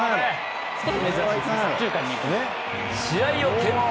試合を決定